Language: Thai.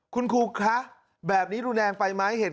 คุณครูคะแบบนี้รุนแรงไปไหม